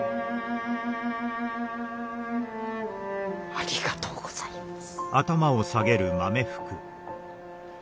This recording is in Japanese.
ありがとうございます。